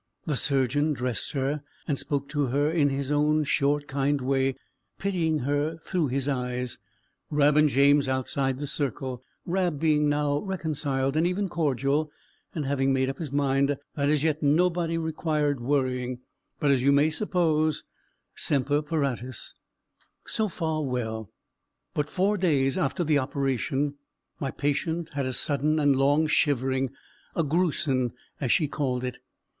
The surgeon dressed her, and spoke to her in his own short kind way, pitying her through his eyes, Rab and James outside the circle Rab being now reconciled, and even cordial, and having made up his mind that as yet nobody required worrying, but, as you may suppose, semper paratus. So far well: but, four days after the operation, my patient had a sudden and long shivering, a "groosin'," as she called it.